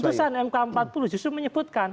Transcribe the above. putusan mk empat puluh justru menyebutkan